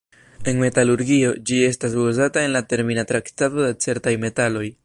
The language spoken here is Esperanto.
En metalurgio, ĝi estas uzata en la termika traktado de certaj metaloj.